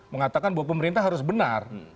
mengatakan bahwa pemerintah harus benar